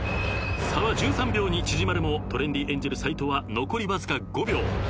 ［差は１３秒に縮まるもトレンディエンジェル斎藤は残りわずか５秒］